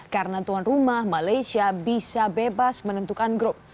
karena tuan rumah malaysia bisa bebas menentukan grup